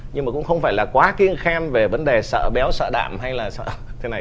nhưng mà cũng không phải là quá kiên khen về vấn đề sợ béo sợ đạm hay là sợ thế này